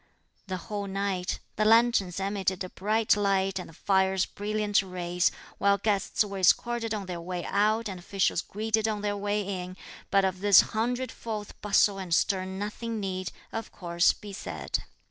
The whole night, the lanterns emitted a bright light and the fires brilliant rays; while guests were escorted on their way out and officials greeted on their way in; but of this hundredfold bustle and stir nothing need, of course, be said.